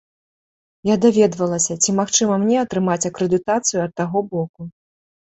Я даведвалася, ці магчыма мне атрымаць акрэдытацыю ад таго боку.